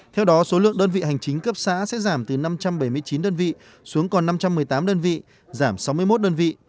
theo đó số lượng đơn vị hành chính cấp xã sẽ giảm từ năm trăm bảy mươi chín đơn vị xuống còn năm trăm một mươi tám đơn vị giảm sáu mươi một đơn vị